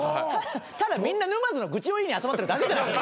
ただみんな沼津の愚痴を言いに集まってるだけじゃないすか。